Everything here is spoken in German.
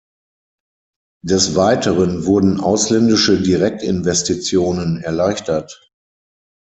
Des Weiteren wurden ausländische Direktinvestitionen erleichtert.